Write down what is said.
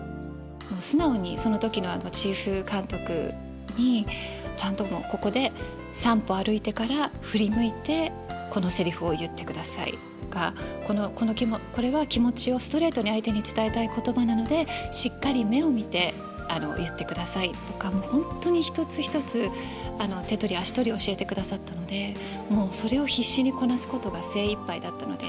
もう素直にその時のチーフ監督にちゃんともう「ここで３歩歩いてから振り向いてこのセリフを言ってください」とか「これは気持ちをストレートに相手に伝えたい言葉なのでしっかり目を見て言ってください」とかもう本当に一つ一つ手取り足取り教えてくださったのでもうそれを必死にこなすことが精いっぱいだったので。